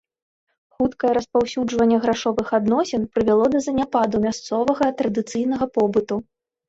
Хуткае распаўсюджванне грашовых адносін прывяло да заняпаду мясцовага традыцыйнага побыту.